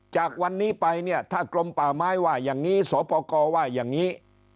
จากวันนี้ไปเนี่ยถ้ากรมป่าไม้ว่าอย่างนี้สปกรว่าอย่างนี้